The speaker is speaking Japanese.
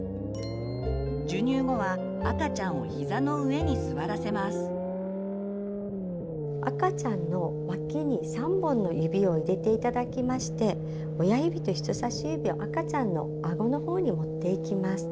授乳後は赤ちゃんの脇に３本の指を入れて頂きまして親指と人さし指を赤ちゃんのあごの方に持っていきます。